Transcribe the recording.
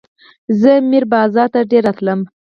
زه میر بازار ته ډېر راتلم.